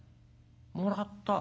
「もらった？